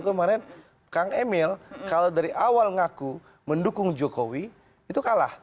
kemarin kang emil kalau dari awal ngaku mendukung jokowi itu kalah